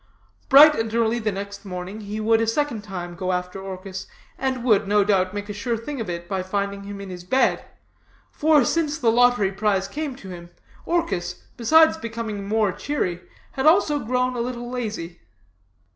Bright and early next morning he would a second time go after Orchis, and would, no doubt, make a sure thing of it, by finding him in his bed; for since the lottery prize came to him, Orchis, besides becoming more cheery, had also grown a little lazy.